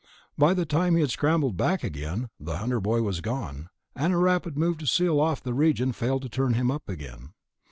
By the time he had scrambled back again, the Hunter boy was gone, and a rapid move to seal off the region failed to turn him up again.